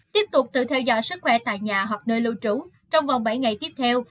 tiếp tục tự theo dõi sức khỏe tại nhà hoặc nơi lưu trú trong vòng bảy ngày tiếp theo